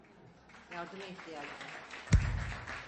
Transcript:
Yardıma ihtiyacı var.